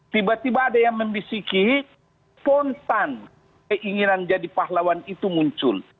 tiba tiba ada yang membisikihi spontan keinginan jadi pahlawan itu muncul